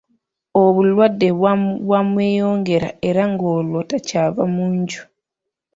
Obulwadde bwamweyongera era ng’olwo takyava mu nju.